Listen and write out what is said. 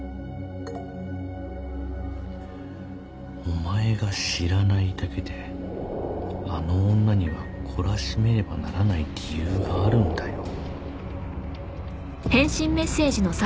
「お前が知らないだけであの女には懲らしめねばならない理由があるんだよ」